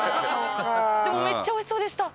でもめっちゃおいしそうでした。